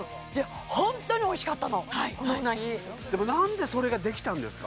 ホントにおいしかったのこのうなぎでも何でそれができたんですか？